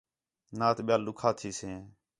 نات ٻِیال ݙُکّھا تھیسیں